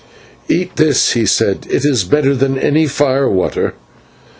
"Eat this," he said, "it is better than any fire water."